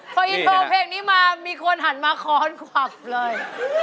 พออินโทรเพลงนี้มามีคนหันมาค้อนขวับเลย